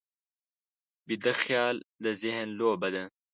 ویده خیال د ذهن لوبه ده